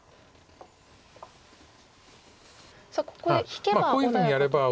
さあここで引けば穏やか。